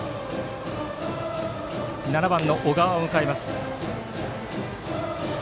７番、小川を迎えます。